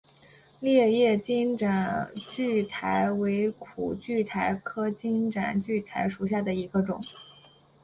裂叶金盏苣苔为苦苣苔科金盏苣苔属下的一个种。